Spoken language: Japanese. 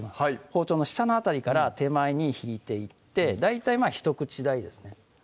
包丁の下の辺りから手前に引いていって大体まぁ一口大ですね